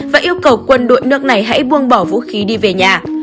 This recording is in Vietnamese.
và yêu cầu quân đội nước này hãy buông bỏ vũ khí đi về nhà